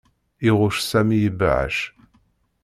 Iɣuc Sami ibeɛɛac.